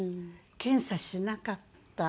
検査しなかった。